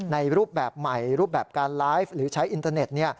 รูปแบบใหม่รูปแบบการไลฟ์หรือใช้อินเทอร์เน็ต